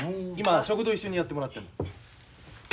今食堂を一緒にやってもらってるんだ。